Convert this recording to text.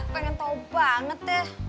pengen tau banget deh